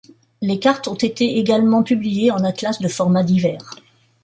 Les cartes ont été également publiées en atlas de formats divers.